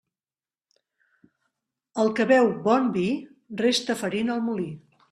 El que beu bon vi resta farina al molí.